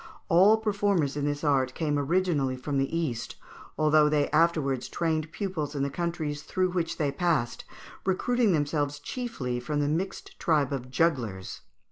All performers in this art came originally from the East, although they afterwards trained pupils in the countries through which they passed, recruiting themselves chiefly from the mixed tribe of jugglers.